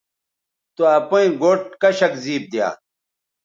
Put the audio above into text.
تو اپئیں گوٹھ کشک زیب دیا